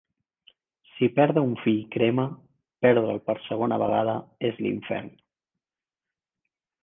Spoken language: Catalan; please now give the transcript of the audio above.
Si perdre un fill crema, perdre'l per segona vegada és l'infern.